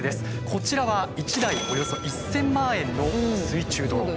こちらは１台およそ１，０００万円の水中ドローン。